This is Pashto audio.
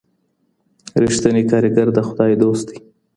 رښتنی کارګر د خدای دوست دی.